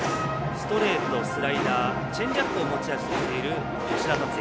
ストレート、スライダーチェンジアップを持ち味としている吉田達也